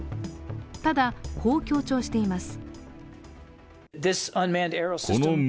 ただ、こう強調しています。